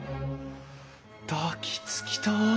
抱きつきたい！